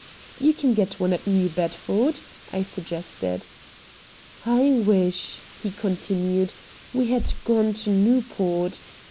"You can get one at New Bedford," I suggested. "I wish," he continued, "we had gone to Newport.